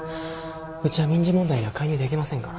うちは民事問題には介入できませんから。